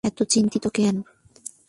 এত চিন্তিত কেন?